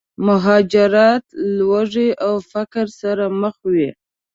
مهاجرت، لوږې او فقر سره مخ وي.